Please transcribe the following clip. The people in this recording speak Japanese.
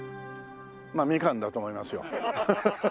まあみかんだと思いますよ。